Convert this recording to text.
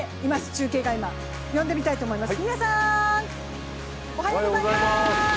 中継が今、呼んでみたいと思います。